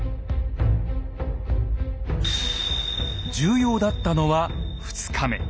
重要だったのは２日目。